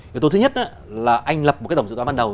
yếu tố thứ nhất là anh lập một cái tổng dự toán ban đầu